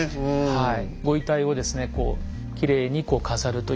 はい。